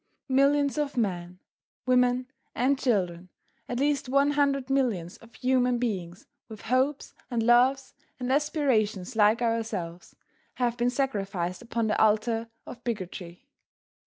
Millions of men, women and children, at least one hundred millions of human beings with hopes and loves and aspirations like ourselves, have been sacrificed upon the altar of bigotry.